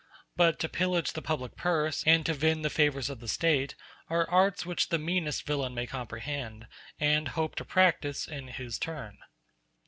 But to pillage the public purse, and to vend the favors of the State, are arts which the meanest villain may comprehend, and hope to practice in his turn.